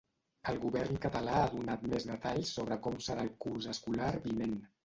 El govern català ha donat més detalls sobre com serà el curs escolar vinent.